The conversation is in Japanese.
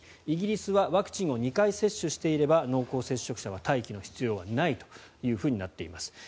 イギリスはワクチンを２回接種していれば濃厚接触者は待機の必要はないとなっています。